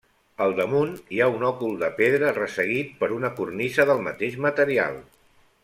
Al damunt hi ha un òcul de pedra resseguit per una cornisa del mateix material.